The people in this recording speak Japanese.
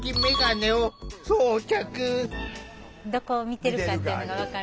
どこを見てるかっていうのが分かる。